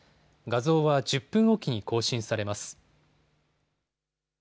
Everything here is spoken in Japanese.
画像は１０分おきに更新されます。